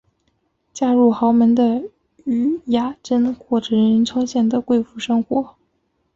嫁入豪门的禹雅珍过着人人称羡的贵妇生活。